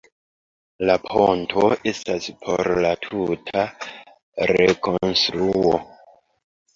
La ponto estas por la tuta rekonstruo.